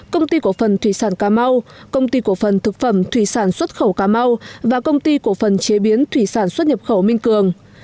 công ty cổ phần thủy sản cà mau công ty cổ phần thực phẩm thủy sản xuất khẩu cà mau và công ty cổ phần chế biến thủy sản xuất nhập khẩu minh cường